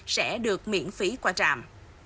sẽ được miễn phí qua trạm